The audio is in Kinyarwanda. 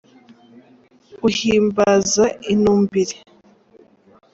Uhimbaza inumbiri.